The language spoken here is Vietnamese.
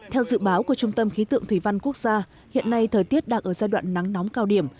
theo dự báo của trung tâm khí tượng thủy văn quốc gia hiện nay thời tiết đang ở giai đoạn nắng nóng cao điểm